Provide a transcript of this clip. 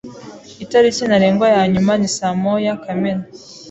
Itariki ntarengwa ya nyuma ni saa moya Kamena.